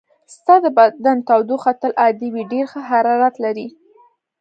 ستا د بدن تودوخه تل عادي وي، ډېر ښه حرارت لرې.